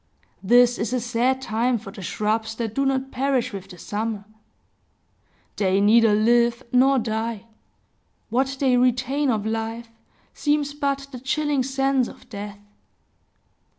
This is a sad time for the shrubs that do not perish with the summer; they neither live nor die; what they retain of life seems but the chilling sense of death.